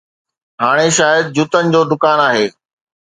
هاڻي شايد جوتن جو دڪان آهي.